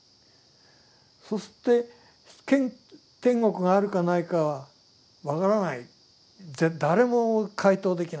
そして天国があるかないか分からない誰も回答できない。